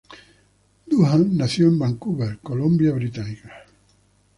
Doohan nació en Vancouver, Columbia Británica.